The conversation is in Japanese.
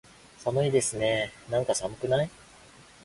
寒いですねーなんか、寒くない？